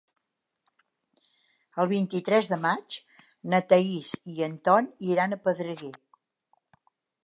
El vint-i-tres de maig na Thaís i en Ton iran a Pedreguer.